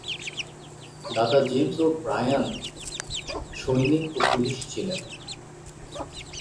দাদা James O'Brien সৈনিক ও পুলিশ ছিলেন।